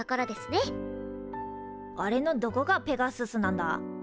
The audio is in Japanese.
あれのどこがペガススなんだ？え？